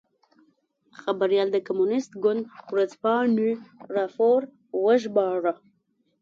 خبریال د کمونېست ګوند ورځپاڼې راپور وژباړه.